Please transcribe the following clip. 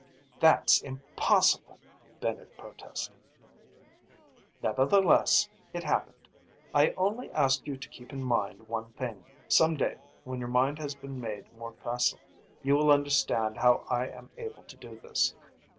"That's impossible!" Bennett protested. "Nevertheless, it happened. I only ask you to keep in mind one thing. Someday, when your mind has been made more facile, you will understand how I am able to do this.